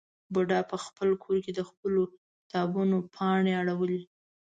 بوډا په خپل کور کې د خپلو کتابونو پاڼې اړولې.